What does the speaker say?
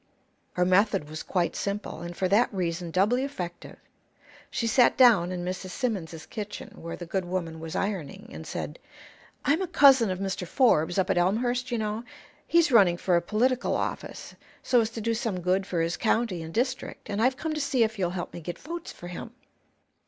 Her method was quite simple, and for that reason doubly effective. She sat down in Mrs. Simmons's kitchen, where the good woman was ironing, and said: "I'm a cousin of Mr. Forbes, up at Elmhurst, you know. He's running for a political office, so as to do some good for his county and district, and I've come to see if you'll help me get votes for him."